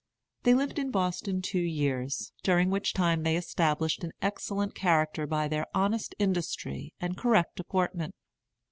They lived in Boston two years, during which time they established an excellent character by their honest industry and correct deportment.